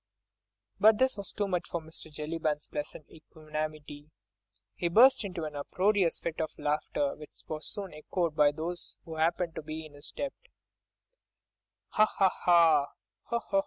But this was too much for Mr. Jellyband's pleasant equanimity. He burst into an uproarious fit of laughter, which was soon echoed by those who happened to be in his debt. "Hahaha!